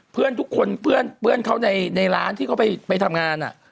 เพื่อนทุกคนเพื่อนเขาในร้านที่เขาไปทำงาน